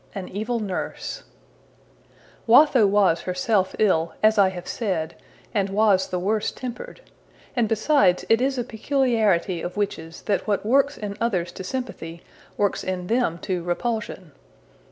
An Evil Nurse WATHO was herself ill, as I have said, and was the worse tempered; and besides, it is a peculiarity of witches that what works in others to sympathy works in them to repulsion.